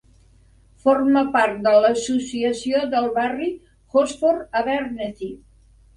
Forma part de l'associació del barri Hosford-Abernethy.